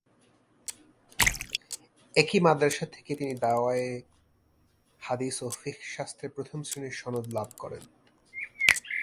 একই মাদ্রাসা থেকে তিনি দাওরায়ে হাদিস ও ফিকহ শাস্ত্রে প্রথম শ্রেণীর সনদ লাভ করেন।